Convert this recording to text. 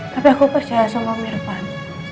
tapi aku percaya sama mirban